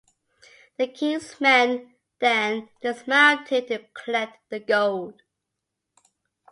The king's men then dismounted to collect the gold.